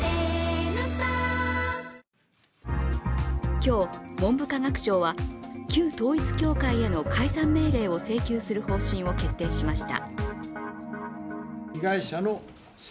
今日、文部科学省は旧統一教会への解散命令を請求する方針を決定しました。